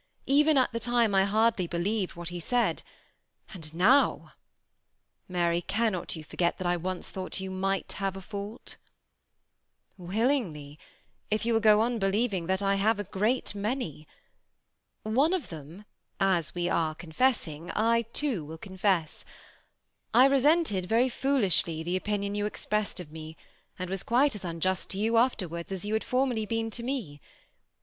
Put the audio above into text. Even at the time I hardly believed what ha' said ; and now ! Mary^ cannot you forget that I once thought you might have a fault ?"" Willingly, if you will go on believing that I have a great many. One of them, as we are confessing, I too will confess. I resented, very foolishly, the opinion you expressed of me ; and was quite as unjust to you after wards as you had formerly been to me.